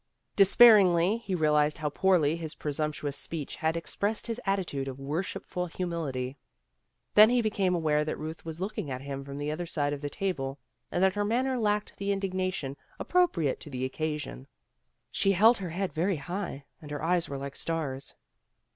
Despairingly he realized how poorly his presumptuous speech had expressed his attitude of worshipful humility. Then he became aware that Ruth was looking at him from the other side of the table, and that her manner lacked the indignation ap propriate to the occasion. She held her head very high, and her eyes were like stars.